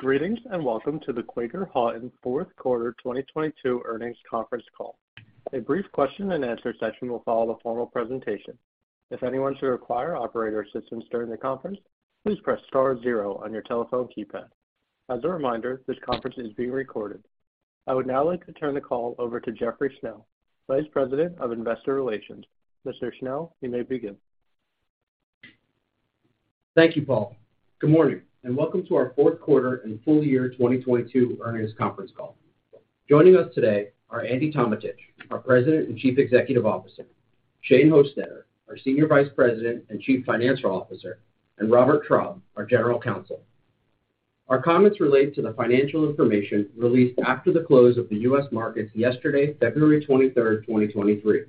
Greetings, welcome to the Quaker Houghton fourth quarter 2022 earnings conference call. A brief question-and-answer session will follow the formal presentation. If anyone should require operator assistance during the conference, please press star zero on your telephone keypad. As a reminder, this conference is being recorded. I would now like to turn the call over to Jeffrey Schnell, Vice President of Investor Relations. Mr. Schnell, you may begin. Thank you, Paul. Good morning, and welcome to our fourth quarter and full year 2022 earnings conference call. Joining us today are Andy Tometich, our President and Chief Executive Officer, Shane Hostetter, our Senior Vice President and Chief Financial Officer, and Robert Traub, our General Counsel. Our comments relate to the financial information released after the close of the US markets yesterday, February 23rd, 2023.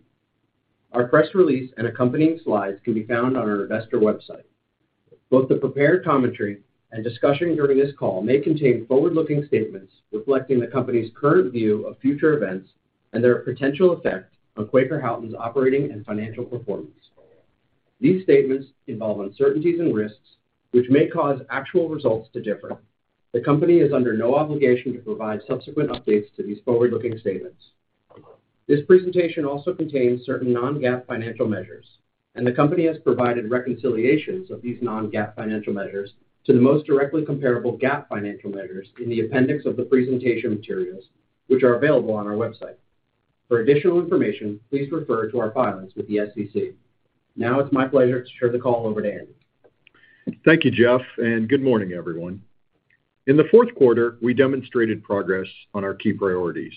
Our press release and accompanying slides can be found on our investor website. Both the prepared commentary and discussion during this call may contain forward-looking statements reflecting the company's current view of future events and their potential effect on Quaker Houghton's operating and financial performance. These statements involve uncertainties and risks which may cause actual results to differ. The company is under no obligation to provide subsequent updates to these forward-looking statements. This presentation also contains certain non-GAAP financial measures. The company has provided reconciliations of these non-GAAP financial measures to the most directly comparable GAAP financial measures in the appendix of the presentation materials, which are available on our website. For additional information, please refer to our filings with the SEC. Now it's my pleasure to turn the call over to Andy. Thank you, Jeff. Good morning, everyone. In the fourth quarter, we demonstrated progress on our key priorities.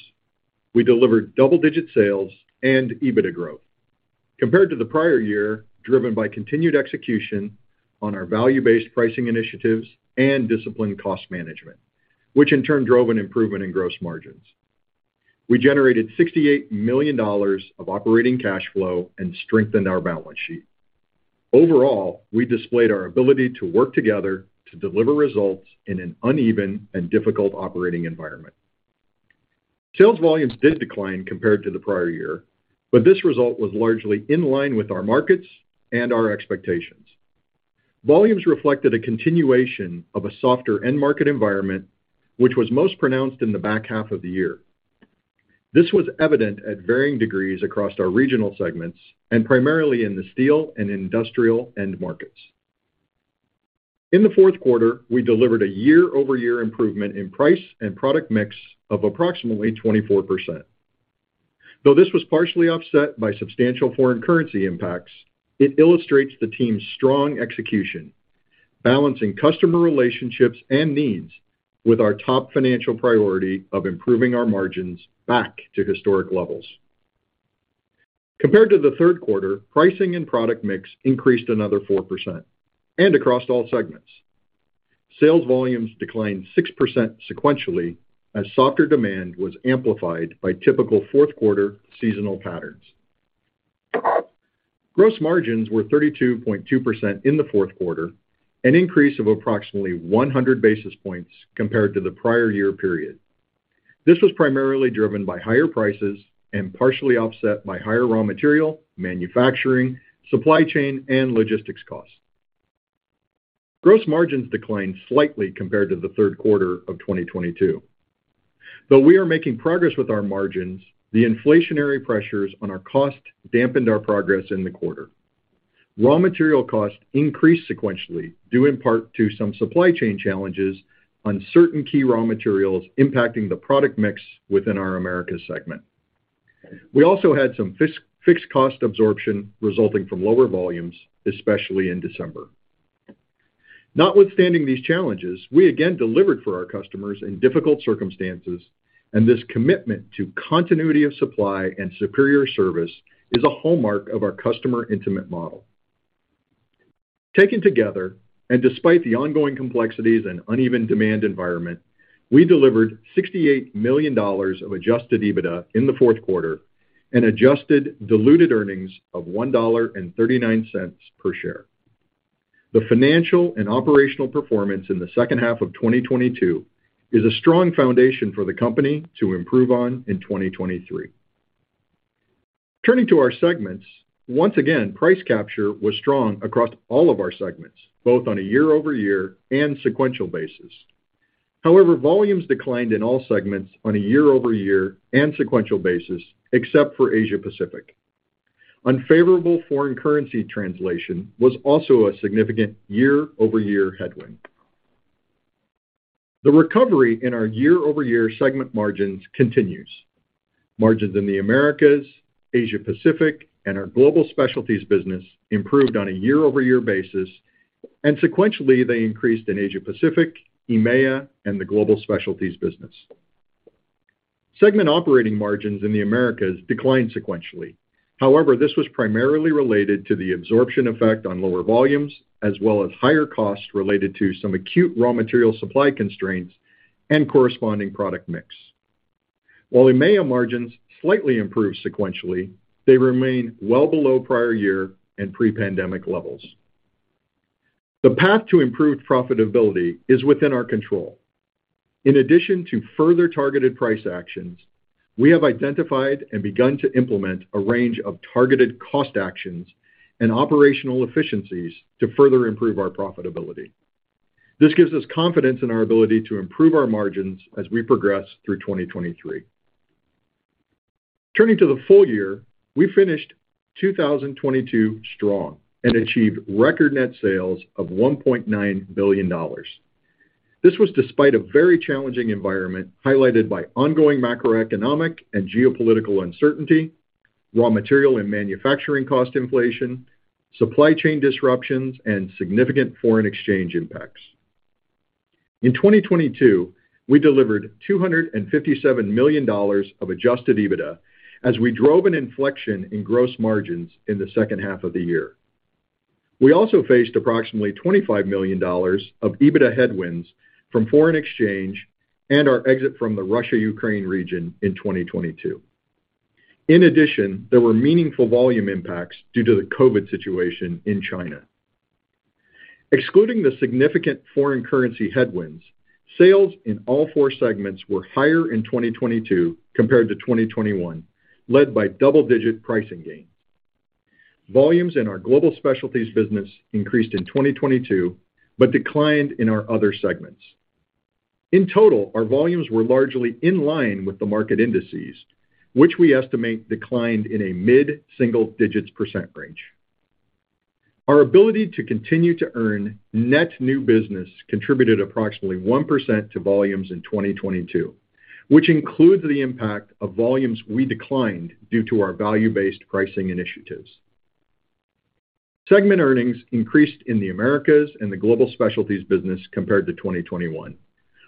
We delivered double-digit sales and EBITDA growth compared to the prior-year, driven by continued execution on our value-based pricing initiatives and disciplined cost management, which in turn drove an improvement in gross margins. We generated $68 million of operating cash flow and strengthened our balance sheet. Overall, we displayed our ability to work together to deliver results in an uneven and difficult operating environment. Sales volumes did decline compared to the prior-year, this result was largely in line with our markets and our expectations. Volumes reflected a continuation of a softer end market environment, which was most pronounced in the back half of the year. This was evident at varying degrees across our regional segments, primarily in the steel and industrial end markets. In the fourth quarter, we delivered a year-over-year improvement in price and product mix of approximately 24%. Though this was partially offset by substantial foreign currency impacts, it illustrates the team's strong execution, balancing customer relationships and needs with our top financial priority of improving our margins back to historic levels. Compared to the third quarter, pricing and product mix increased another 4% and across all segments. Sales volumes declined 6% sequentially as softer demand was amplified by typical fourth quarter seasonal patterns. Gross margins were 32.2% in the fourth quarter, an increase of approximately 100 basis points compared to the prior year period. This was primarily driven by higher prices and partially offset by higher raw material, manufacturing, supply chain, and logistics costs. Gross margins declined slightly compared to the third quarter of 2022. Though we are making progress with our margins, the inflationary pressures on our cost dampened our progress in the quarter. Raw material costs increased sequentially, due in part to some supply chain challenges on certain key raw materials impacting the product mix within our Americas segment. We also had some fixed cost absorption resulting from lower volumes, especially in December. Notwithstanding these challenges, this commitment to continuity of supply and superior service is a hallmark of our customer intimate model. Despite the ongoing complexities and uneven demand environment, we delivered $68 million of adjusted EBITDA in the fourth quarter and adjusted diluted earnings of $1.39 per share. The financial and operational performance in the second half of 2022 is a strong foundation for the company to improve on in 2023. Turning to our segments, once again, price capture was strong across all of our segments, both on a year-over-year and sequential basis. However, volumes declined in all segments on a year-over-year and sequential basis, except for Asia-Pacific. Unfavorable foreign currency translation was also a significant year-over-year headwind. The recovery in our year-over-year segment margins continues. Margins in the Americas, Asia-Pacific, and our Global Specialty Businesses improved on a year-over-year basis, and sequentially they increased in Asia-Pacific, EMEA, and the Global Specialty Businesses. Segment operating margins in the Americas declined sequentially. However, this was primarily related to the absorption effect on lower volumes, as well as higher costs related to some acute raw material supply constraints and corresponding product mix. While EMEA margins slightly improved sequentially, they remain well below prior year and pre-pandemic levels. The path to improved profitability is within our control. In addition to further targeted price actions, we have identified and begun to implement a range of targeted cost actions and operational efficiencies to further improve our profitability. This gives us confidence in our ability to improve our margins as we progress through 2023. Turning to the full year, we finished 2022 strong and achieved record net sales of $1.9 billion. This was despite a very challenging environment highlighted by ongoing macroeconomic and geopolitical uncertainty, raw material and manufacturing cost inflation, supply chain disruptions, and significant foreign exchange impacts. In 2022, we delivered $257 million of adjusted EBITDA as we drove an inflection in gross margins in the second half of the year. We also faced approximately $25 million of EBITDA headwinds from foreign exchange and our exit from the Russia-Ukraine region in 2022. In addition, there were meaningful volume impacts due to the COVID situation in China. Excluding the significant foreign currency headwinds, sales in all four segments were higher in 2022 compared to 2021, led by double-digit pricing gains. Volumes in our Global Specialty Businesses increased in 2022, but declined in our other segments. In total, our volumes were largely in line with the market indices, which we estimate declined in a mid-single digits percent range. Our ability to continue to earn net new business contributed approximately 1% to volumes in 2022, which includes the impact of volumes we declined due to our value-based pricing initiatives. Segment earnings increased in the Americas and the Global Specialty Businesses compared to 2021,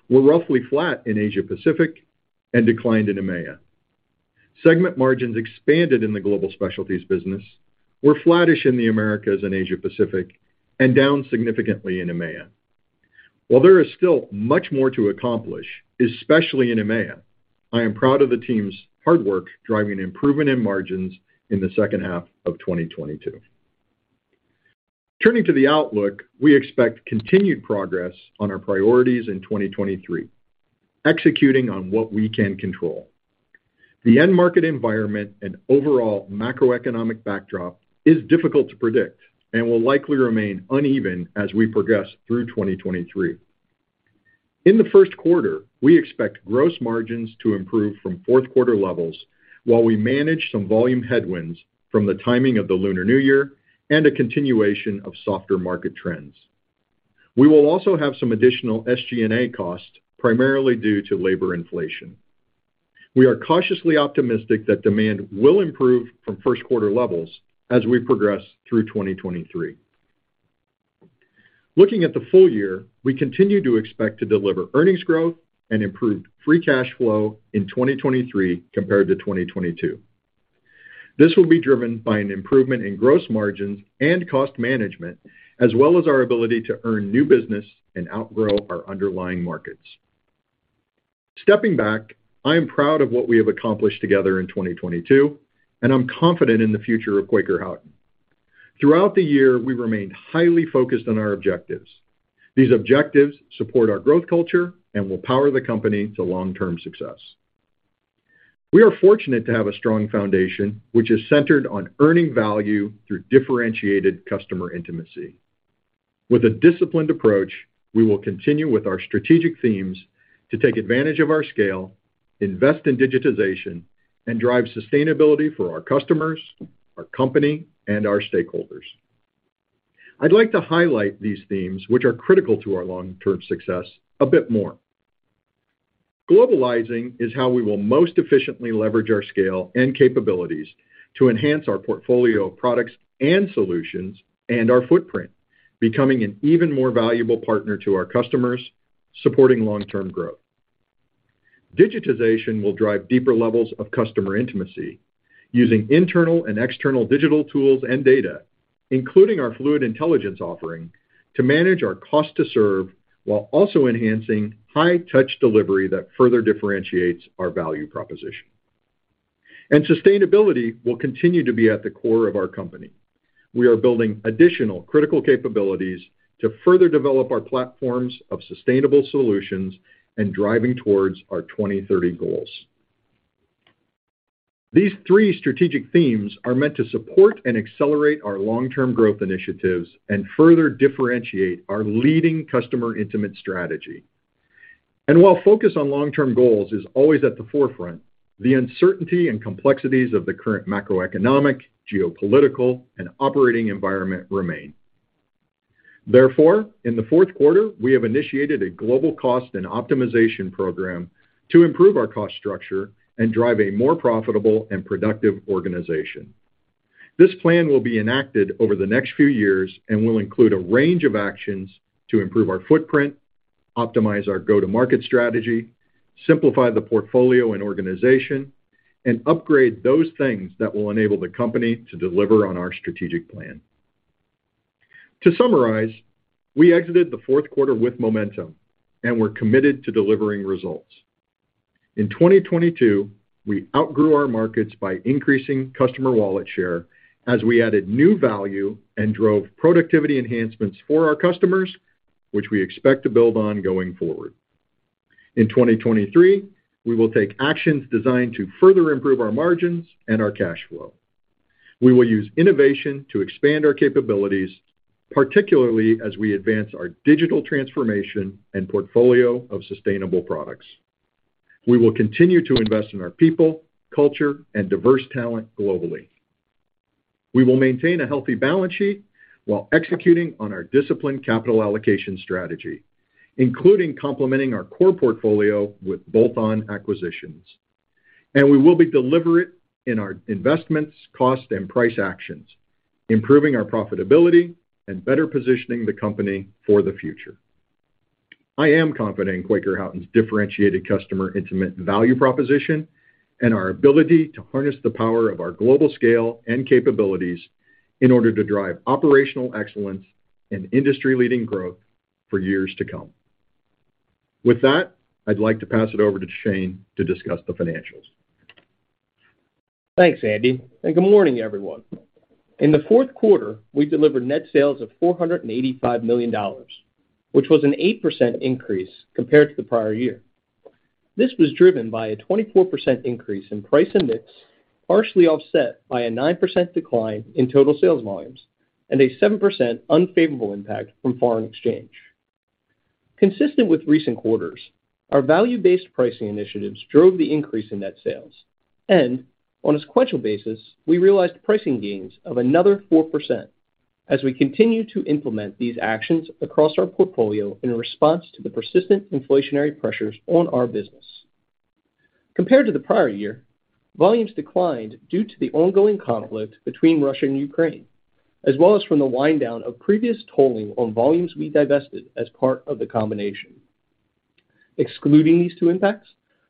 were roughly flat in Asia-Pacific and declined in EMEA. Segment margins expanded in the Global Specialty Businesses, were flattish in the Americas and Asia-Pacific, and down significantly in EMEA. While there is still much more to accomplish, especially in EMEA, I am proud of the team's hard work driving improvement in margins in the second half of 2022. Turning to the outlook, we expect continued progress on our priorities in 2023, executing on what we can control. The end market environment and overall macroeconomic backdrop is difficult to predict and will likely remain uneven as we progress through 2023. In the first quarter, we expect gross margins to improve from fourth quarter levels while we manage some volume headwinds from the timing of the Lunar New Year and a continuation of softer market trends. We will also have some additional SG&A costs, primarily due to labor inflation. We are cautiously optimistic that demand will improve from first quarter levels as we progress through 2023. Looking at the full year, we continue to expect to deliver earnings growth and improved free cash flow in 2023 compared to 2022. This will be driven by an improvement in gross margins and cost management, as well as our ability to earn new business and outgrow our underlying markets. Stepping back, I am proud of what we have accomplished together in 2022, and I'm confident in the future of Quaker Houghton. Throughout the year, we remained highly focused on our objectives. These objectives support our growth culture and will power the company to long-term success. We are fortunate to have a strong foundation which is centered on earning value through differentiated customer intimacy. With a disciplined approach, we will continue with our strategic themes to take advantage of our scale, invest in digitization, and drive sustainability for our customers, our company, and our stakeholders. I'd like to highlight these themes, which are critical to our long-term success a bit more. Globalizing is how we will most efficiently leverage our scale and capabilities to enhance our portfolio of products and solutions and our footprint, becoming an even more valuable partner to our customers, supporting long-term growth. Digitization will drive deeper levels of customer intimacy using internal and external digital tools and data, including our Fluid Intelligence offering, to manage our cost to serve while also enhancing high-touch delivery that further differentiates our value proposition. Sustainability will continue to be at the core of our company. We are building additional critical capabilities to further develop our platforms of sustainable solutions and driving towards our 2030 goals. These three strategic themes are meant to support and accelerate our long-term growth initiatives and further differentiate our leading customer intimate strategy. While focus on long-term goals is always at the forefront, the uncertainty and complexities of the current macroeconomic, geopolitical, and operating environment remain. Therefore, in the fourth quarter, we have initiated a global cost and optimization program to improve our cost structure and drive a more profitable and productive organization. This plan will be enacted over the next few years and will include a range of actions to improve our footprint, optimize our go-to-market strategy, simplify the portfolio and organization, and upgrade those things that will enable the company to deliver on our strategic plan. To summarize, we exited the fourth quarter with momentum, and we're committed to delivering results. In 2022, we outgrew our markets by increasing customer wallet share as we added new value and drove productivity enhancements for our customers. Which we expect to build on going forward. In 2023, we will take actions designed to further improve our margins and our cash flow. We will use innovation to expand our capabilities, particularly as we advance our digital transformation and portfolio of sustainable products. We will continue to invest in our people, culture, and diverse talent globally. We will maintain a healthy balance sheet while executing on our disciplined capital allocation strategy, including complementing our core portfolio with bolt-on acquisitions. We will be deliberate in our investments, cost, and price actions, improving our profitability and better positioning the company for the future. I am confident in Quaker Houghton's differentiated customer intimate value proposition and our ability to harness the power of our global scale and capabilities in order to drive operational excellence and industry-leading growth for years to come. With that, I'd like to pass it over to Shane to discuss the financials. Thanks, Andy, good morning, everyone. In the fourth quarter, we delivered net sales of $485 million, which was an 8% increase compared to the prior year. This was driven by a 24% increase in price and mix, partially offset by a 9% decline in total sales volumes and a 7% unfavorable impact from foreign exchange. Consistent with recent quarters, our value-based pricing initiatives drove the increase in net sales. On a sequential basis, we realized pricing gains of another 4% as we continue to implement these actions across our portfolio in response to the persistent inflationary pressures on our business. Compared to the prior year, volumes declined due to the ongoing conflict between Russia and Ukraine, as well as from the wind-down of previous tolling on volumes we divested as part of the combination. Excluding these two impacts,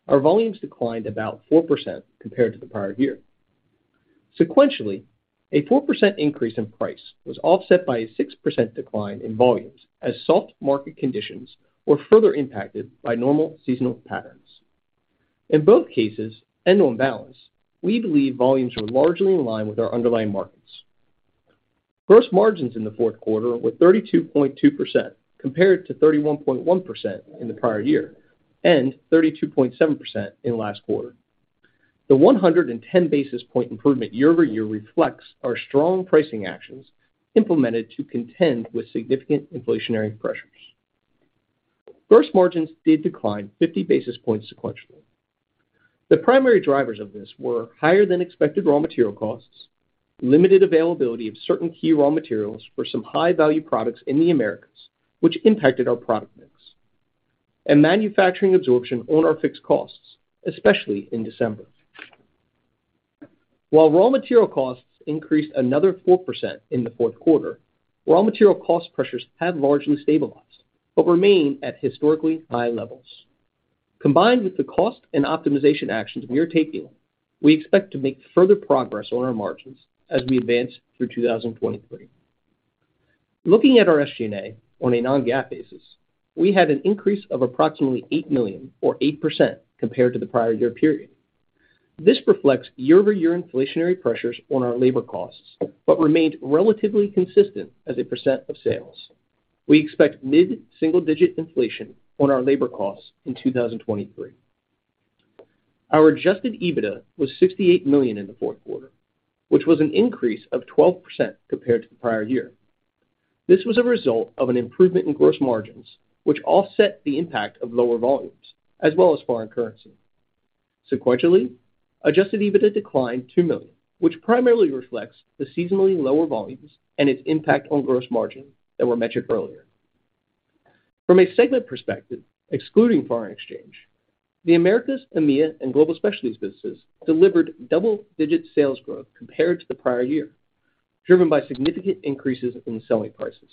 our volumes declined about 4% compared to the prior year. Sequentially, a 4% increase in price was offset by a 6% decline in volumes as soft market conditions were further impacted by normal seasonal patterns. In both cases, end on balance, we believe volumes were largely in line with our underlying markets. Gross margins in the fourth quarter were 32.2% compared to 31.1% in the prior year, and 32.7% in last quarter. The 110 basis point improvement year-over-year reflects our strong pricing actions implemented to contend with significant inflationary pressures. Gross margins did decline 50 basis points sequentially. The primary drivers of this were higher than expected raw material costs, limited availability of certain key raw materials for some high-value products in the Americas, which impacted our product mix, and manufacturing absorption on our fixed costs, especially in December. While raw material costs increased another 4% in the fourth quarter, raw material cost pressures have largely stabilized, but remain at historically high levels. Combined with the cost and optimization actions we are taking, we expect to make further progress on our margins as we advance through 2023. Looking at our SG&A on a non-GAAP basis, we had an increase of approximately $8 million or 8% compared to the prior year period. This reflects year-over-year inflationary pressures on our labor costs, but remained relatively consistent as a percent of sales. We expect mid-single digit inflation on our labor costs in 2023. Our adjusted EBITDA was $68 million in the fourth quarter, which was an increase of 12% compared to the prior year. This was a result of an improvement in gross margins, which offset the impact of lower volumes as well as foreign currency. Sequentially, adjusted EBITDA declined $2 million, which primarily reflects the seasonally lower volumes and its impact on gross margin that were mentioned earlier. From a segment perspective, excluding foreign exchange, the Americas, EMEA, and Global Specialty Businesses delivered double-digit sales growth compared to the prior year, driven by significant increases in selling prices.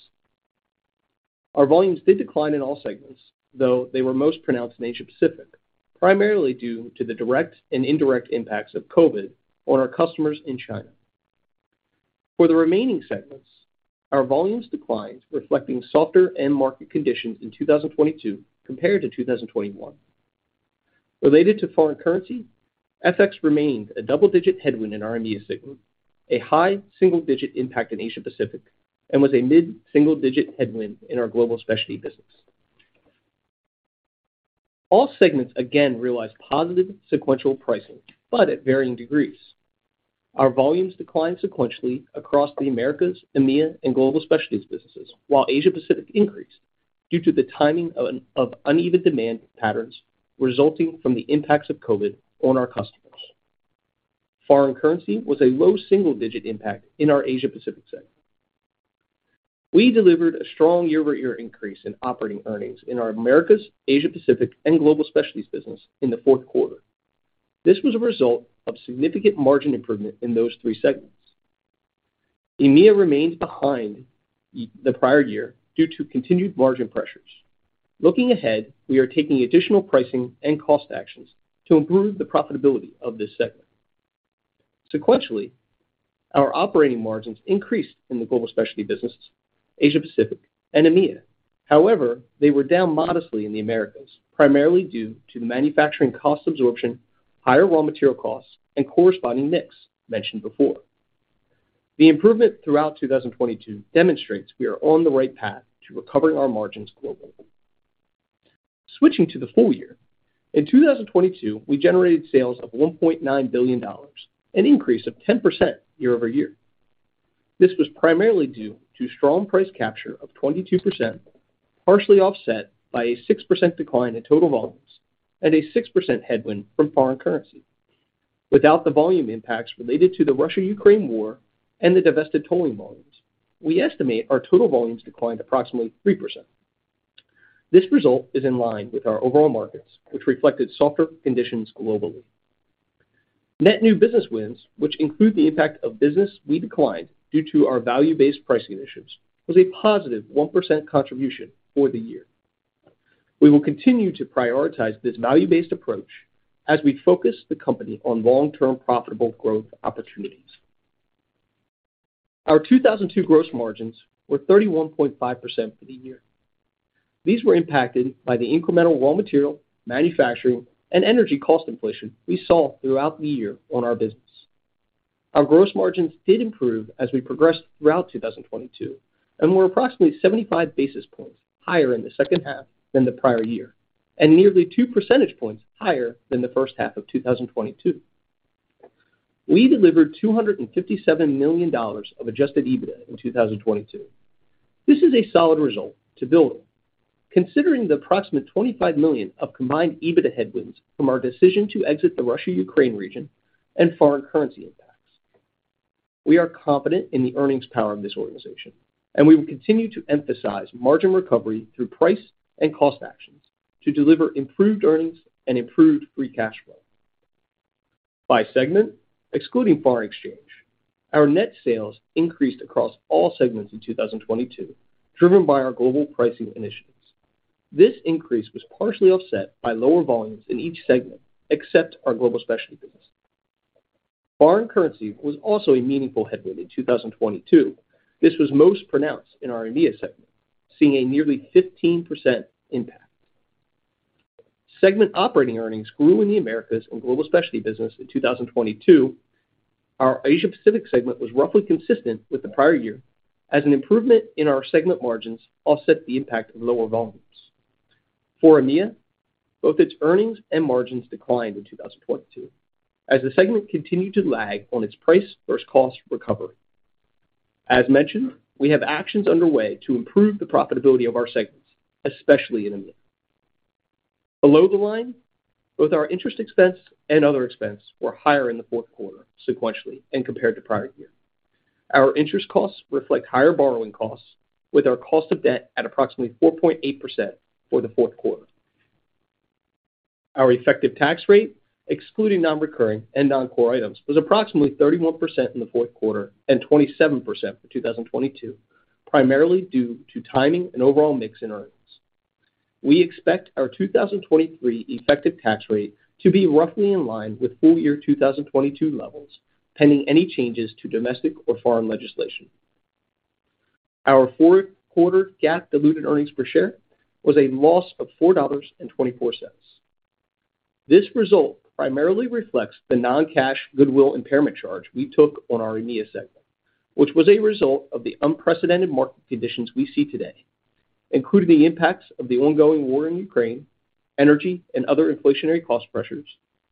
Our volumes did decline in all segments, though they were most pronounced in Asia-Pacific, primarily due to the direct and indirect impacts of COVID on our customers in China. For the remaining segments, our volumes declined, reflecting softer end market conditions in 2022 compared to 2021. Related to foreign currency, FX remained a double-digit headwind in our EMEA segment, a high single-digit impact in Asia-Pacific, and was a mid-single digit headwind in our Global Specialty Business. All segments again realized positive sequential pricing at varying degrees. Our volumes declined sequentially across the Americas, EMEA, and Global Specialty Businesses, while Asia-Pacific increased due to the timing of uneven demand patterns resulting from the impacts of COVID on our customers. Foreign currency was a low single-digit impact in our Asia-Pacific segment. We delivered a strong year-over-year increase in operating earnings in our Americas, Asia-Pacific, and Global Specialty Business in the fourth quarter. This was a result of significant margin improvement in those three segments. EMEA remains behind the prior year due to continued margin pressures. Looking ahead, we are taking additional pricing and cost actions to improve the profitability of this segment. Sequentially, our operating margins increased in the Global Specialty Businesses, Asia-Pacific, and EMEA. However, they were down modestly in the Americas, primarily due to the manufacturing cost absorption, higher raw material costs, and corresponding mix mentioned before. The improvement throughout 2022 demonstrates we are on the right path to recovering our margins globally. Switching to the full year. In 2022, we generated sales of $1.9 billion, an increase of 10% year-over-year. This was primarily due to strong price capture of 22%, partially offset by a 6% decline in total volumes and a 6% headwind from foreign currency. Without the volume impacts related to the Russia-Ukraine war and the divested tolling volumes, we estimate our total volumes declined approximately 3%. This result is in line with our overall markets, which reflected softer conditions globally. Net new business wins, which include the impact of business we declined due to our value-based pricing initiatives, was a positive 1% contribution for the year. We will continue to prioritize this value-based approach as we focus the company on long-term profitable growth opportunities. Our 2002 gross margins were 31.5% for the year. These were impacted by the incremental raw material, manufacturing, and energy cost inflation we saw throughout the year on our business. Our gross margins did improve as we progressed throughout 2022 and were approximately 75 basis points higher in the second half than the prior year, and nearly 2 percentage points higher than the first half of 2022. We delivered $257 million of adjusted EBITDA in 2022. This is a solid result to build, considering the approximate $25 million of combined EBITDA headwinds from our decision to exit the Russia-Ukraine region and foreign currency impacts. We are confident in the earnings power of this organization, and we will continue to emphasize margin recovery through price and cost actions to deliver improved earnings and improved free cash flow. By segment, excluding foreign exchange, our net sales increased across all segments in 2022, driven by our global pricing initiatives. This increase was partially offset by lower volumes in each segment, except our Global Specialty Businesses. Foreign currency was also a meaningful headwind in 2022. This was most pronounced in our EMEA segment, seeing a nearly 15% impact. Segment operating earnings grew in the Americas and Global Specialty Businesses in 2022. Our Asia Pacific segment was roughly consistent with the prior year as an improvement in our segment margins offset the impact of lower volumes. For EMEA, both its earnings and margins declined in 2022 as the segment continued to lag on its price versus cost recovery. As mentioned, we have actions underway to improve the profitability of our segments, especially in EMEA. Below the line, both our interest expense and other expense were higher in the fourth quarter sequentially and compared to prior year. Our interest costs reflect higher borrowing costs with our cost of debt at approximately 4.8% for the fourth quarter. Our effective tax rate, excluding non-recurring and non-core items, was approximately 31% in the fourth quarter and 27% for 2022, primarily due to timing and overall mix in earnings. We expect our 2023 effective tax rate to be roughly in line with full year 2022 levels, pending any changes to domestic or foreign legislation. Our fourth quarter GAAP diluted earnings per share was a loss of $4.24. This result primarily reflects the non-cash goodwill impairment charge we took on our EMEA segment, which was a result of the unprecedented market conditions we see today, including the impacts of the ongoing war in Ukraine, energy and other inflationary cost pressures,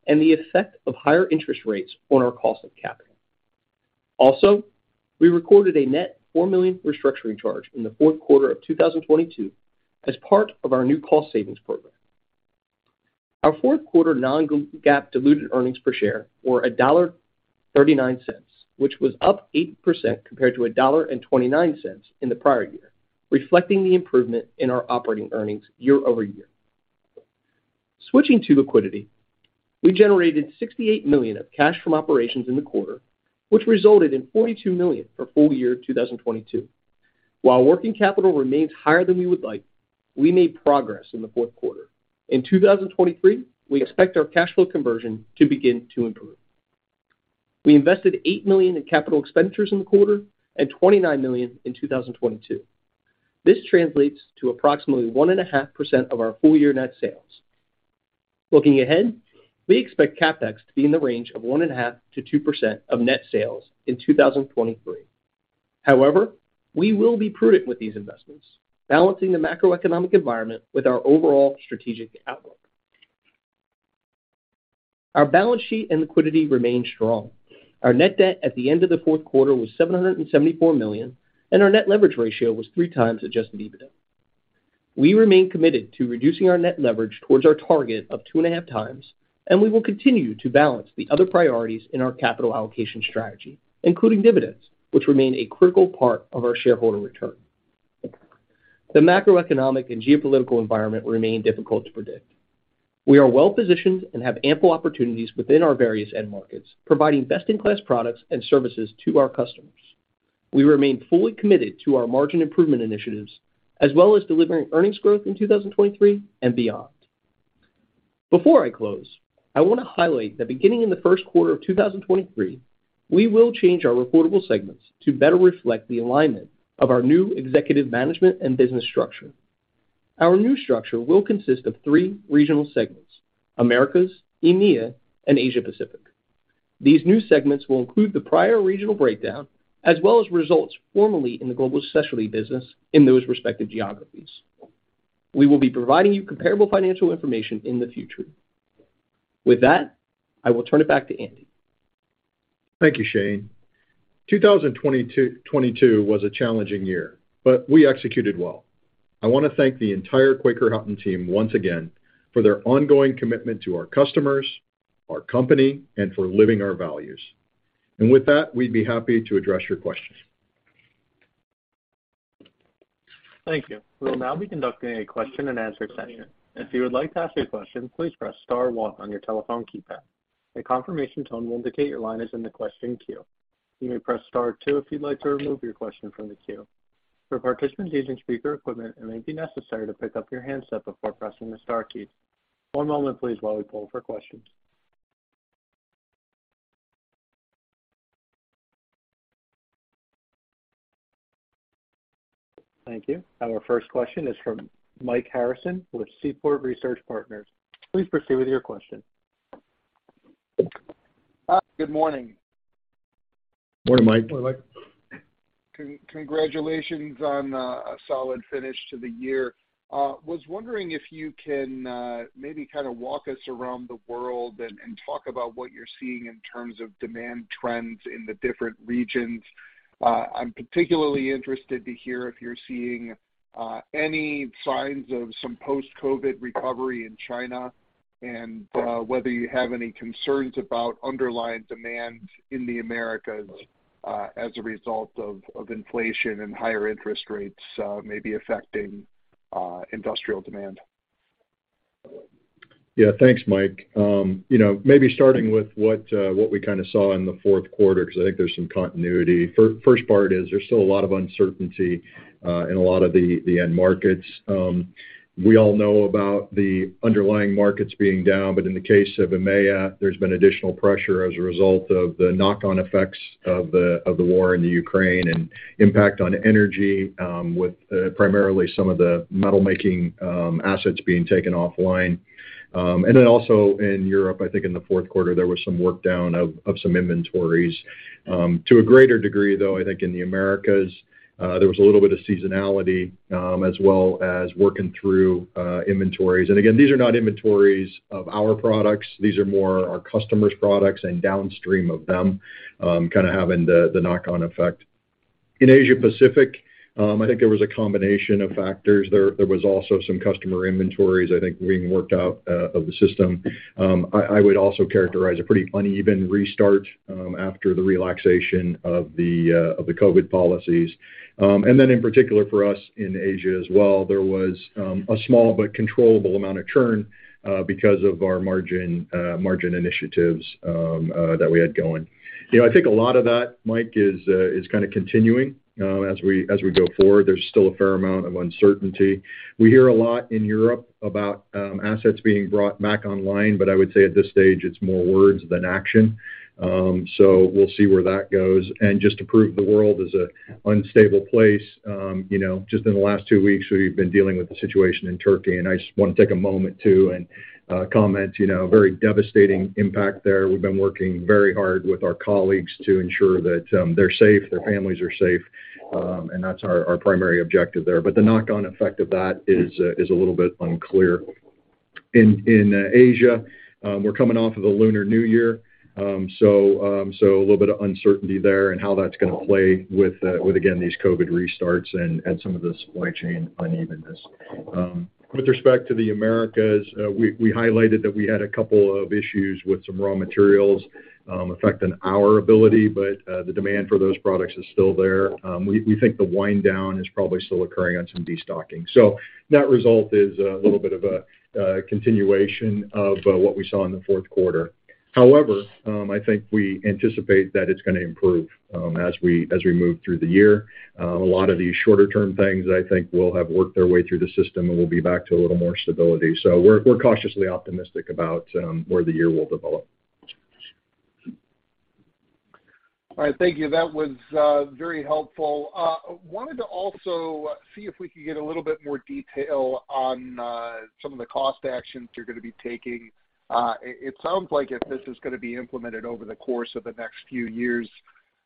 and the effect of higher interest rates on our cost of capital. Also, we recorded a net $4 million restructuring charge in the fourth quarter of 2022 as part of our new cost savings program. Our fourth quarter non-GAAP diluted earnings per share were $1.39, which was up 8% compared to $1.29 in the prior year, reflecting the improvement in our operating earnings year-over-year. Switching to liquidity, we generated $68 million of cash from operations in the quarter, which resulted in $42 million for full year 2022. While working capital remains higher than we would like, we made progress in the fourth quarter. In 2023, we expect our cash flow conversion to begin to improve. We invested $8 million in capital expenditures in the quarter and $29 million in 2022. This translates to approximately 1.5% of our full year net sales. Looking ahead, we expect CapEx to be in the range of 1.5% to 2% of net sales in 2023. However, we will be prudent with these investments, balancing the macroeconomic environment with our overall strategic outlook. Our balance sheet and liquidity remain strong. Our net debt at the end of the fourth quarter was $774 million, and our net leverage ratio was 3 times adjusted EBITDA. We remain committed to reducing our net leverage towards our target of 2.5 times, and we will continue to balance the other priorities in our capital allocation strategy, including dividends, which remain a critical part of our shareholder return. The macroeconomic and geopolitical environment remain difficult to predict. We are well-positioned and have ample opportunities within our various end markets, providing best-in-class products and services to our customers. We remain fully committed to our margin improvement initiatives, as well as delivering earnings growth in 2023 and beyond. Before I close, I want to highlight that beginning in the first quarter of 2023, we will change our reportable segments to better reflect the alignment of our new executive management and business structure. Our new structure will consist of three regional segments, Americas, EMEA, and Asia-Pacific. These new segments will include the prior regional breakdown as well as results formerly in the Global Specialty Businesses in those respective geographies. We will be providing you comparable financial information in the future. With that, I will turn it back to Andy. Thank you, Shane. 2022 was a challenging year. We executed well. I wanna thank the entire Quaker Houghton team once again for their ongoing commitment to our customers, our company, and for living our values. With that, we'd be happy to address your questions. Thank you. We will now be conducting a question and answer session. If you would like to ask a question, please press star one on your telephone keypad. A confirmation tone will indicate your line is in the question queue. You may press star two if you'd like to remove your question from the queue. For participants using speaker equipment, it may be necessary to pick up your handset before pressing the star key. One moment, please, while we poll for questions. Thank you. Our first question is from Mike Harrison with Seaport Research Partners. Please proceed with your question. Hi, good morning. Morning, Mike. Morning, Mike. Congratulations on a solid finish to the year. Was wondering if you can maybe kind of walk us around the world and talk about what you're seeing in terms of demand trends in the different regions. I'm particularly interested to hear if you're seeing any signs of some post-COVID recovery in China and whether you have any concerns about underlying demand in the Americas as a result of inflation and higher interest rates, maybe affecting industrial demand. Yeah. Thanks, Mike. you know, maybe starting with what we kind of saw in the fourth quarter because I think there's some continuity. First part is there's still a lot of uncertainty in a lot of the end markets. We all know about the underlying markets being down, but in the case of EMEA, there's been additional pressure as a result of the knock-on effects of the war in the Ukraine and impact on energy, with primarily some of the metal-making assets being taken offline. Also in Europe, I think in the fourth quarter, there was some work down of some inventories. To a greater degree, though, I think in the Americas, there was a little bit of seasonality as well as working through inventories. Again, these are not inventories of our products. These are more our customers' products and downstream of them, kind of having the knock-on effect. Asia-Pacific, I think there was a combination of factors. There was also some customer inventories, I think, being worked out of the system. I would also characterize a pretty uneven restart after the relaxation of the COVID policies. In particular for us in Asia as well, there was a small but controllable amount of churn because of our margin margin initiatives that we had going. You know, I think a lot of that, Mike, is kind of continuing as we go forward. There's still a fair amount of uncertainty. We hear a lot in Europe about assets being brought back online, but I would say at this stage it's more words than action. We'll see where that goes. Just to prove the world is a unstable place, you know, just in the last two weeks, we've been dealing with the situation in Turkey, and I just wanna take a moment too and comment, you know, very devastating impact there. We've been working very hard with our colleagues to ensure that they're safe, their families are safe, and that's our primary objective there. The knock-on effect of that is a little bit unclear. In Asia, we're coming off of the Lunar New Year, so a little bit of uncertainty there and how that's gonna play with, again, these COVID restarts and some of the supply chain unevenness. With respect to the Americas, we highlighted that we had a couple of issues with some raw materials, affecting our ability, but the demand for those products is still there. We think the wind down is probably still occurring on some destocking. That result is a little bit of a continuation of what we saw in the fourth quarter. However, I think we anticipate that it's gonna improve as we move through the year. A lot of these shorter term things I think will have worked their way through the system, and we'll be back to a little more stability. We're, we're cautiously optimistic about where the year will develop. All right. Thank you. That was very helpful. Wanted to also see if we could get a little bit more detail on some of the cost actions you're gonna be taking. It sounds like if this is gonna be implemented over the course of the next few years,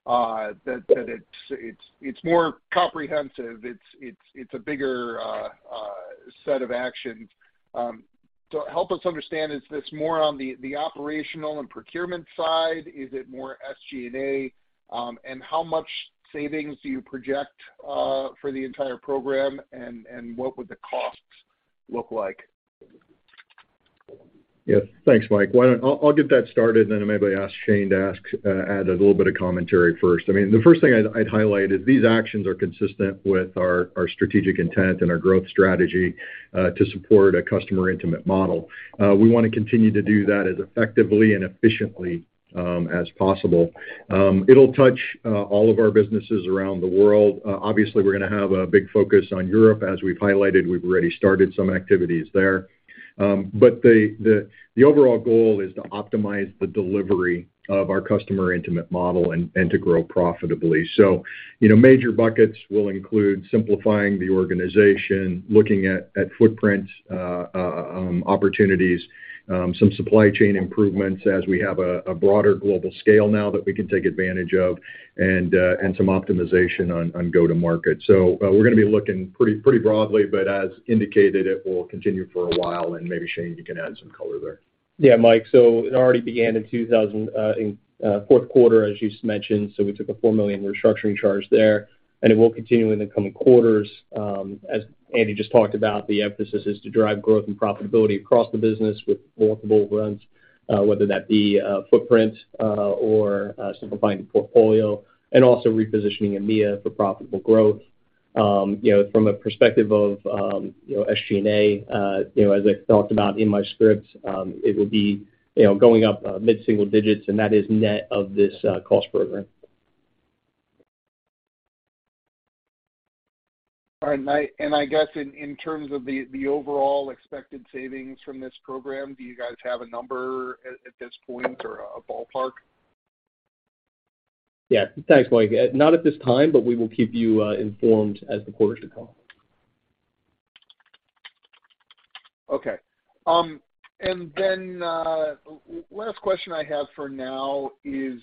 that it's more comprehensive. It's a bigger set of actions. Help us understand, is this more on the operational and procurement side? Is it more SG&A? How much savings do you project for the entire program, and what would the costs look like? Yes. Thanks, Mike. Why don't I'll get that started, then maybe ask Shane to add a little bit of commentary first. I mean, the first thing I'd highlight is these actions are consistent with our strategic intent and our growth strategy, to support a customer intimate model. We wanna continue to do that as effectively and efficiently as possible. It'll touch all of our businesses around the world. Obviously, we're gonna have a big focus on Europe. As we've highlighted, we've already started some activities there. The overall goal is to optimize the delivery of our customer intimate model and to grow profitably. You know, major buckets will include simplifying the organization, looking at footprints, opportunities, some supply chain improvements as we have a broader global scale now that we can take advantage of, and some optimization on go-to-market. We're gonna be looking pretty broadly, but as indicated, it will continue for a while. Maybe Shane, you can add some color there. Mike, it already began in fourth quarter, as you mentioned, we took a $4 million restructuring charge there, and it will continue in the coming quarters. As Andy just talked about, the emphasis is to drive growth and profitability across the business with multiple runs, whether that be footprint or simplifying the portfolio and also repositioning EMEA for profitable growth. You know, from a perspective of, you know, SG&A, you know, as I talked about in my script, it will be, you know, going up mid-single digits, and that is net of this cost program. All right. I guess in terms of the overall expected savings from this program, do you guys have a number at this point or a ballpark? Yeah. Thanks, Mike. Not at this time, but we will keep you informed as the quarters occur. Okay. Last question I have for now is,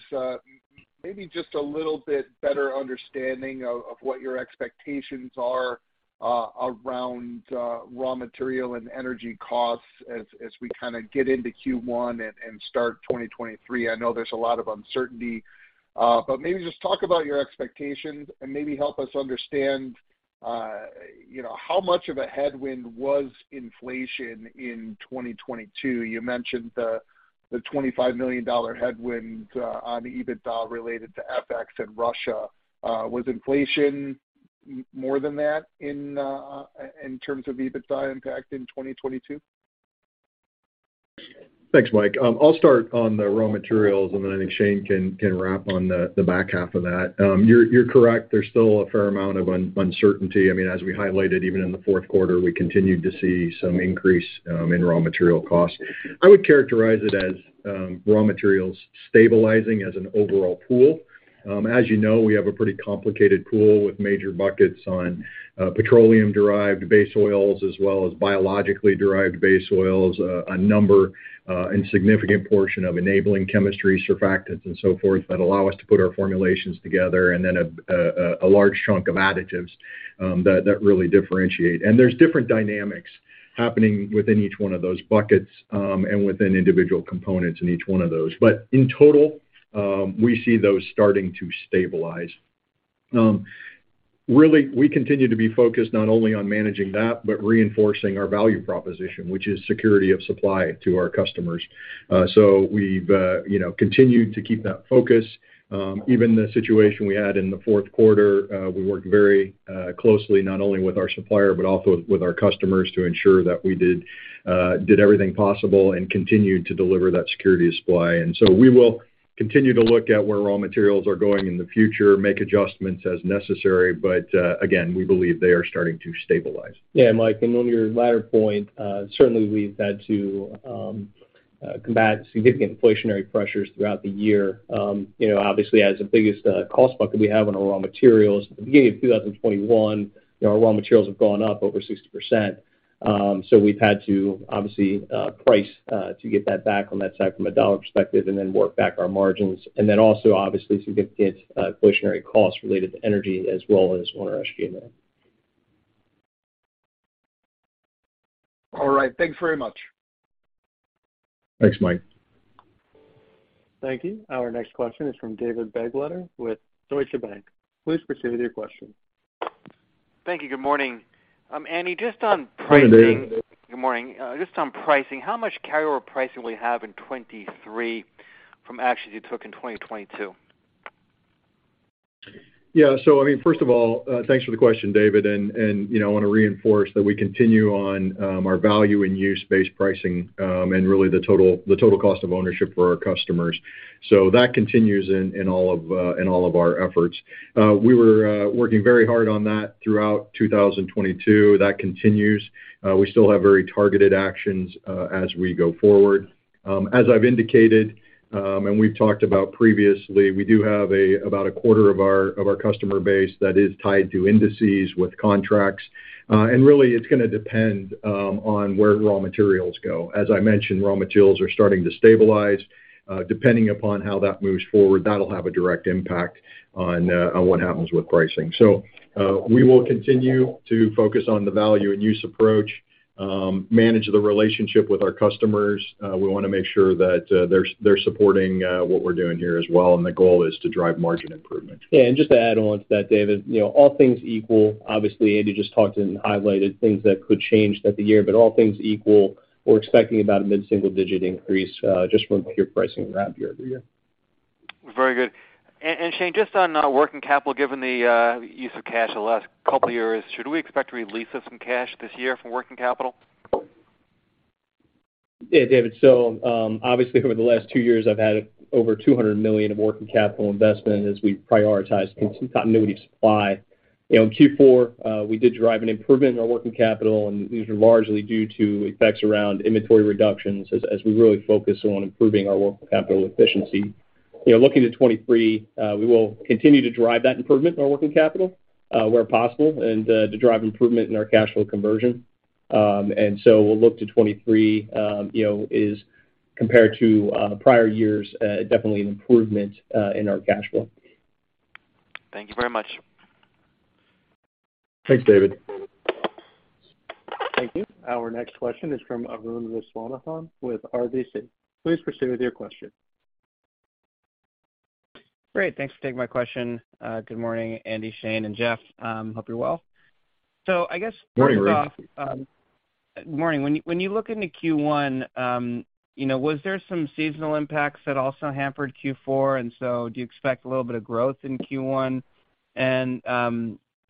maybe just a little bit better understanding of what your expectations are around raw material and energy costs as we kinda get into Q1 and start 2023. I know there's a lot of uncertainty, but maybe just talk about your expectations and maybe help us understand, you know, how much of a headwind was inflation in 2022. You mentioned the $25 million headwind on EBITDA related to FX and Russia. Was inflation more than that in terms of EBITDA impact in 2022? Thanks, Mike. I'll start on the raw materials, and then I think Shane can wrap on the back half of that. You're correct. There's still a fair amount of uncertainty. I mean, as we highlighted, even in the fourth quarter, we continued to see some increase in raw material costs. I would characterize it as raw materials stabilizing as an overall pool. As you know, we have a pretty complicated pool with major buckets on petroleum-derived base oils, as well as biologically-derived base oils, a number and significant portion of enabling chemistry surfactants and so forth that allow us to put our formulations together, and then a large chunk of additives that really differentiate. There's different dynamics happening within each one of those buckets and within individual components in each one of those. In total, we see those starting to stabilize. Really, we continue to be focused not only on managing that, but reinforcing our value proposition, which is security of supply to our customers. We've, you know, continued to keep that focus. Even the situation we had in the fourth quarter, we worked very closely, not only with our supplier, but also with our customers to ensure that we did everything possible and continued to deliver that security of supply. We will continue to look at where raw materials are going in the future, make adjustments as necessary, but again, we believe they are starting to stabilize. Mike, on your latter point, certainly we've had to combat significant inflationary pressures throughout the year. You know, obviously as the biggest cost bucket we have on our raw materials. At the beginning of 2021, you know, our raw materials have gone up over 60%. We've had to obviously price to get that back on that side from a $ perspective and then work back our margins. Also obviously significant inflationary costs related to energy as well as on our SG&A. All right. Thank you very much. Thanks, Mike. Thank you. Our next question is from David Begleiter with Deutsche Bank. Please proceed with your question. Thank you. Good morning. Andy, just on pricing- Good morning, David. Good morning. Just on pricing, how much carryover pricing will you have in 2023 from actions you took in 2022? Yeah. I mean, first of all, thanks for the question, David. You know, I wanna reinforce that we continue on our value and use-based pricing and really the total cost of ownership for our customers. That continues in all of our efforts. We were working very hard on that throughout 2022. That continues. We still have very targeted actions as we go forward. As I've indicated, and we've talked about previously, we do have about a quarter of our customer base that is tied to indices with contracts. Really, it's gonna depend on where raw materials go. As I mentioned, raw materials are starting to stabilize. Depending upon how that moves forward, that'll have a direct impact on what happens with pricing. We will continue to focus on the value and use approach, manage the relationship with our customers. We wanna make sure that they're supporting what we're doing here as well, and the goal is to drive margin improvement. Just to add on to that, David, you know, all things equal, obviously, Andy just talked and highlighted things that could change at the year. All things equal, we're expecting about a mid-single digit increase, just from pure pricing wrap year-over-year. Very good. Shane, just on working capital, given the use of cash the last couple years, should we expect releases in cash this year from working capital? Yeah, David. Obviously over the last two years, I've had over $200 million of working capital investment as we prioritize continuity of supply. You know, in Q4, we did drive an improvement in our working capital, and these are largely due to effects around inventory reductions as we really focus on improving our working capital efficiency. You know, looking to 2023, we will continue to drive that improvement in our working capital, where possible and to drive improvement in our cash flow conversion. We'll look to 2023, you know, is compared to prior years, definitely an improvement in our cash flow. Thank you very much. Thanks, David. Thank you. Our next question is from Arun Viswanathan with RBC. Please proceed with your question. Great. Thanks for taking my question. Good morning, Andy, Shane, and Jeff. Hope you're well. Morning, Arun. Starting off, morning. When you look into Q1, you know, was there some seasonal impacts that also hampered Q4? Do you expect a little bit of growth in Q1?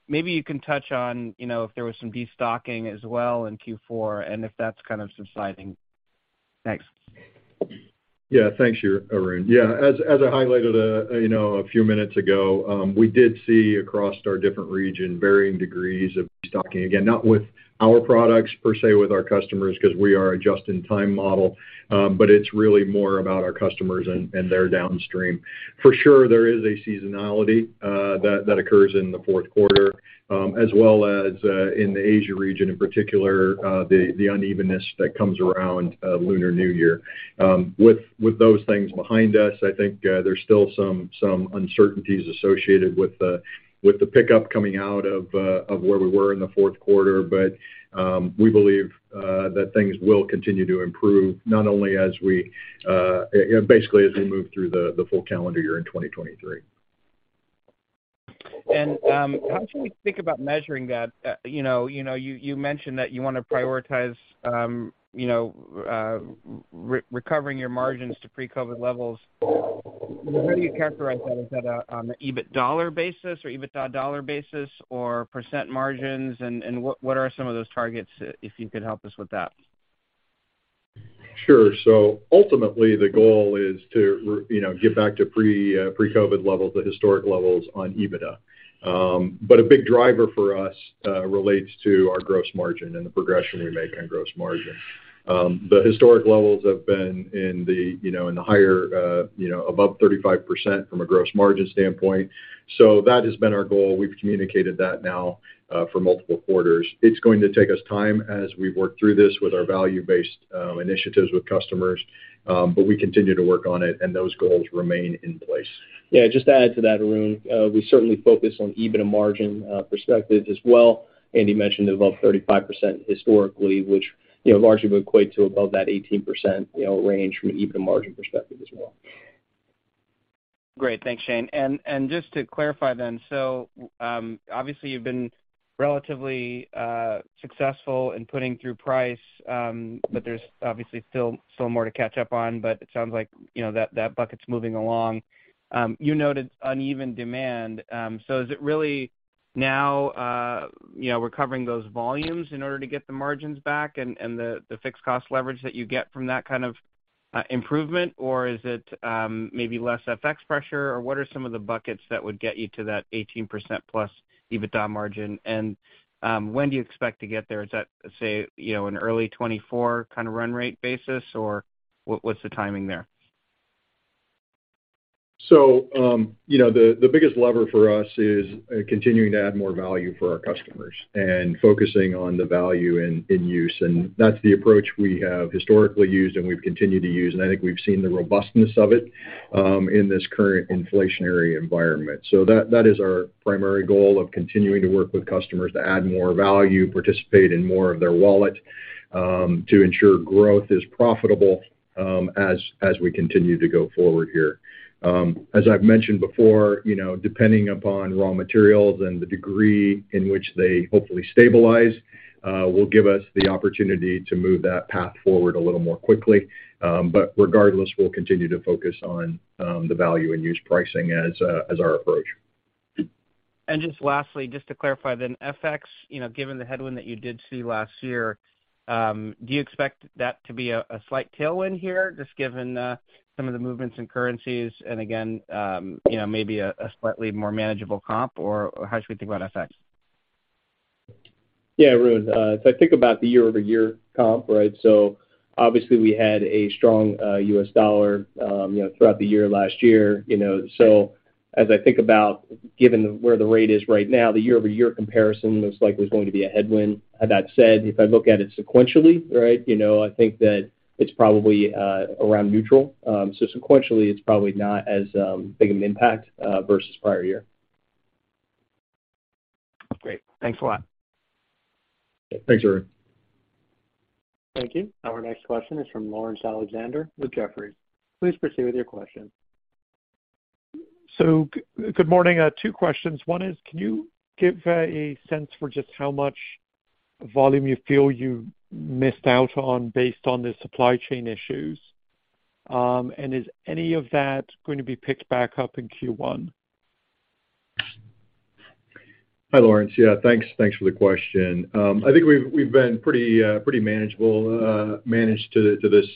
Maybe you can touch on, you know, if there was some destocking as well in Q4 and if that's kind of subsiding. Thanks. Thanks here, Arun. As I highlighted, you know, a few minutes ago, we did see across our different region varying degrees of destocking. Again, not with our products per se with our customers 'cause we are a just-in-time model, but it's really more about our customers and their downstream. There is a seasonality that occurs in the fourth quarter, as well as in the Asia region, in particular, the unevenness that comes around Lunar New Year. With those things behind us, I think, there's still some uncertainties associated with the pickup coming out of where we were in the fourth quarter. We believe that things will continue to improve, not only as we basically as we move through the full calendar year in 2023. How should we think about measuring that? you know, you mentioned that you wanna prioritize, you know, recovering your margins to pre-COVID levels. How do you characterize that? Is that on an EBIT dollar basis or EBITDA dollar basis or percent margins? What are some of those targets, if you could help us with that? Sure. Ultimately, the goal is to you know, get back to pre-COVID levels, the historic levels on EBITDA. A big driver for us relates to our gross margin and the progression we make on gross margin. The historic levels have been in the, you know, in the higher, you know, above 35% from a gross margin standpoint. That has been our goal. We've communicated that now for multiple quarters. It's going to take us time as we work through this with our value-based initiatives with customers, but we continue to work on it, and those goals remain in place. Just to add to that, Arun, we certainly focus on EBITDA margin perspective as well. Andy mentioned above 35% historically, which, you know, largely would equate to above that 18%, you know, range from an EBITDA margin perspective as well. Great. Thanks, Shane. Just to clarify then, obviously you've been relatively successful in putting through price, but there's obviously still more to catch up on, but it sounds like, you know, that bucket's moving along. You noted uneven demand. Is it really now, you know, recovering those volumes in order to get the margins back and the fixed cost leverage that you get from that kind of improvement? Or is it maybe less FX pressure? Or what are some of the buckets that would get you to that 18% plus EBITDA margin? When do you expect to get there? Is that, let's say, you know, an early 2024 kinda run rate basis, or what's the timing there? You know, the biggest lever for us is continuing to add more value for our customers and focusing on the value in use. That's the approach we have historically used and we've continued to use. I think we've seen the robustness of it in this current inflationary environment. That is our primary goal of continuing to work with customers to add more value, participate in more of their wallet to ensure growth is profitable as we continue to go forward here. As I've mentioned before, you know, depending upon raw materials and the degree in which they hopefully stabilize will give us the opportunity to move that path forward a little more quickly. Regardless, we'll continue to focus on the value in use pricing as our approach. Just lastly, just to clarify then, FX, you know, given the headwind that you did see last year, do you expect that to be a slight tailwind here, just given, some of the movements in currencies and again, you know, maybe a slightly more manageable comp? Or how should we think about FX? Arun, if I think about the year-over-year comp, right? Obviously we had a strong US dollar, you know, throughout the year last year, you know. As I think about given where the rate is right now, the year-over-year comparison looks like there's going to be a headwind. That said, if I look at it sequentially, right, you know, I think that it's probably around neutral. Sequentially, it's probably not as big of an impact versus prior year. Great. Thanks a lot. Thanks, Arun. Thank you. Our next question is from Laurence Alexander with Jefferies. Please proceed with your question. Good morning. Two questions. One is, can you give a sense for just how much volume you feel you missed out on based on the supply chain issues? Is any of that going to be picked back up in Q1? Hi, Laurence. Yeah, thanks. Thanks for the question. I think we've been pretty manageable, managed to this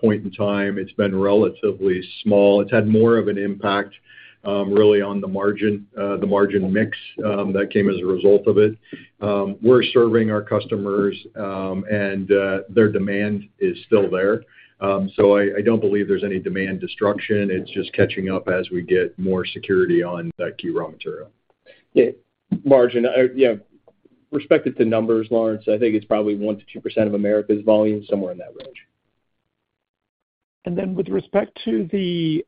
point in time. It's been relatively small. It's had more of an impact, really on the margin, the margin mix that came as a result of it. We're serving our customers, and their demand is still there. I don't believe there's any demand destruction. It's just catching up as we get more security on that key raw material. Yeah. Margin, yeah, respective to numbers, Laurence, I think it's probably 1% to 2% of Americas volume, somewhere in that range. With respect to the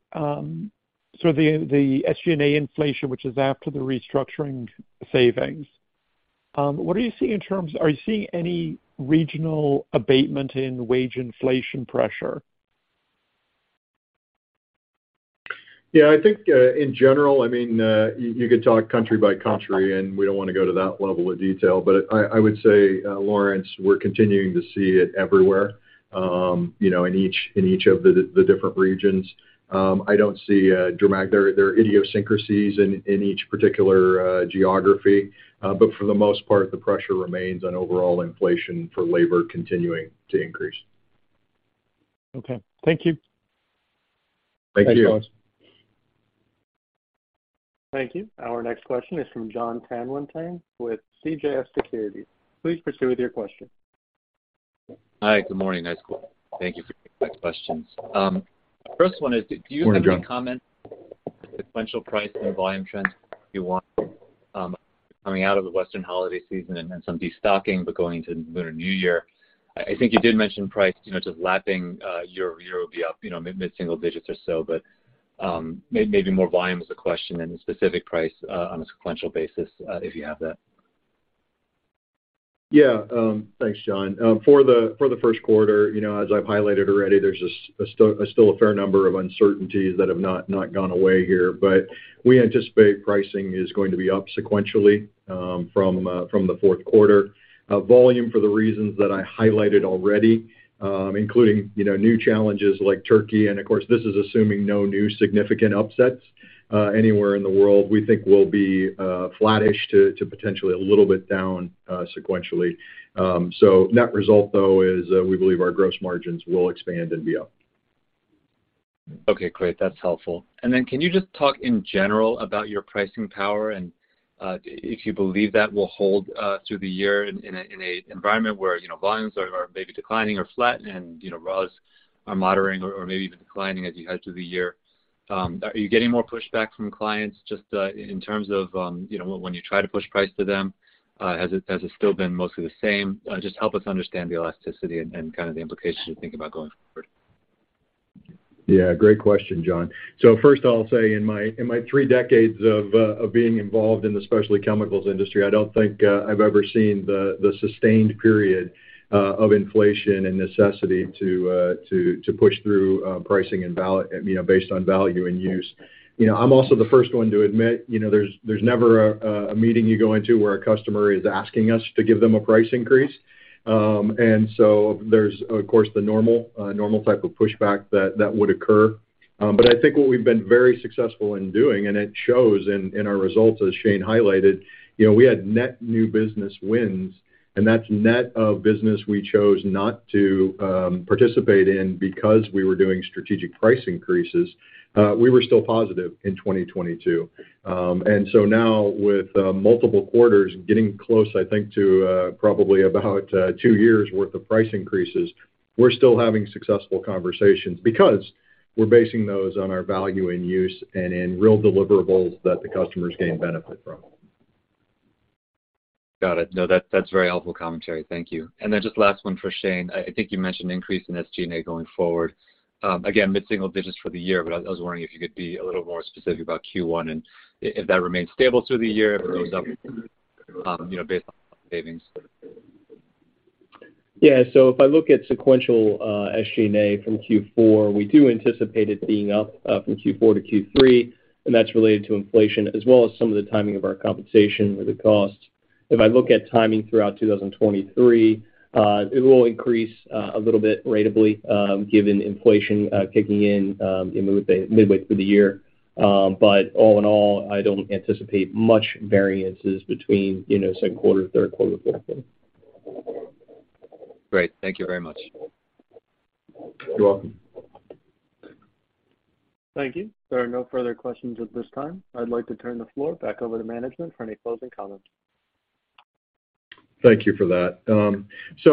SG&A inflation, which is after the restructuring savings, are you seeing any regional abatement in wage inflation pressure? Yeah. I think, in general, I mean, you could talk country by country. We don't wanna go to that level of detail, but I would say, Laurence, we're continuing to see it everywhere, you know, in each of the different regions. I don't see a dramatic... There are idiosyncrasies in each particular geography, but for the most part, the pressure remains on overall inflation for labor continuing to increase. Okay. Thank you. Thank you. Thanks, Laurence. Thank you. Our next question is from Jon Tanwanteng with CJS Securities. Please proceed with your question. Hi. Good morning, guys. Thank you for taking my questions. First one is. Morning, Jon. Do you have any comment on the sequential price and volume trends you want, coming out of the Western holiday season and then some destocking, going into Lunar New Year? I think you did mention price, you know, just lapping year-over-year will be up, you know, mid-single digits or so. Maybe more volume is the question and the specific price on a sequential basis, if you have that. Yeah. Thanks, Jon. For the first quarter, you know, as I've highlighted already, there's still a fair number of uncertainties that have not gone away here. We anticipate pricing is going to be up sequentially, from the fourth quarter. Volume for the reasons that I highlighted already, including, you know, new challenges like Turkey, and of course, this is assuming no new significant upsets, anywhere in the world, we think we'll be flattish to potentially a little bit down, sequentially. Net result, though, is, we believe our gross margins will expand and be up. Okay, great. That's helpful. Then can you just talk in general about your pricing power and, if you believe that will hold through the year in a environment where, you know, volumes are maybe declining or flat and, you know, raws are moderating or maybe even declining as you head through the year? Are you getting more pushback from clients just in terms of, you know, when you try to push price to them? Has it still been mostly the same? Just help us understand the elasticity and kind of the implications to think about going forward. Great question, Jon. First I'll say in my, in my three decades of being involved in the specialty chemicals industry, I don't think I've ever seen the sustained period of inflation and necessity to push through pricing and, you know, based on value and use. You know, I'm also the first one to admit, you know, there's never a meeting you go into where a customer is asking us to give them a price increase. There's, of course, the normal type of pushback that would occur. I think what we've been very successful in doing, and it shows in our results, as Shane highlighted, you know, we had net new business wins, and that's net of business we chose not to participate in because we were doing strategic price increases. We were still positive in 2022. Now with multiple quarters getting close, I think to probably about two years worth of price increases, we're still having successful conversations because we're basing those on our value and use and in real deliverables that the customers gain benefit from. Got it. No, that's very helpful commentary. Thank you. Just last one for Shane. I think you mentioned increase in SG&A going forward. Again, mid-single digits for the year, but I was wondering if you could be a little more specific about Q1 and if that remains stable through the year or goes up, you know, based on savings. Yeah. If I look at sequential SG&A from Q4, we do anticipate it being up from Q4 to Q3, and that's related to inflation as well as some of the timing of our compensation or the costs. If I look at timing throughout 2023, it will increase a little bit ratably, given inflation kicking in midway through the year. All in all, I don't anticipate much variances between, you know, second quarter, third quarter, fourth quarter. Great. Thank you very much. You're welcome. Thank you. There are no further questions at this time. I'd like to turn the floor back over to management for any closing comments. Thank you for that.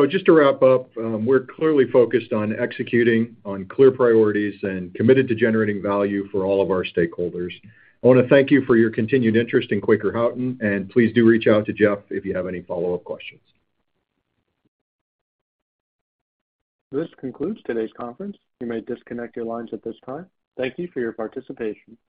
Just to wrap up, we're clearly focused on executing on clear priorities and committed to generating value for all of our stakeholders. I wanna thank you for your continued interest in Quaker Houghton, and please do reach out to Jeff if you have any follow-up questions. This concludes today's conference. You may disconnect your lines at this time. Thank you for your participation.